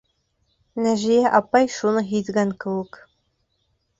Нәжиә апай, шуны һиҙгән кеүек: